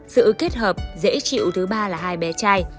sự kết hợp dễ chịu thứ ba là hai bé trai